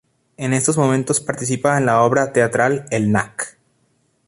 En estos momentos participa en la obra teatral "El Knack".